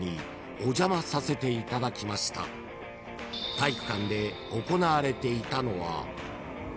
［体育館で行われていたのは］